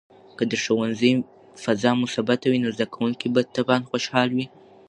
که د ښوونځي فضا مثبته وي، نو زده کوونکي به طبعاً خوشحال وي.